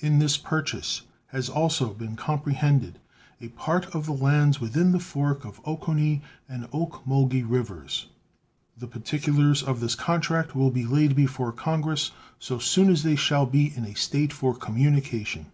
In this purchase has been also comprehended a part of the lands within the fork of Oconee and Oakmulgee rivers. The particulars of the contract will be laid before Congress so soon as they shall be in a state for communication.